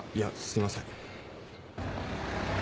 すいません。